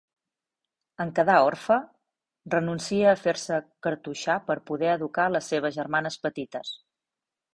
En quedar orfe, renuncia a fer-se cartoixà per poder educar les seves germanes petites.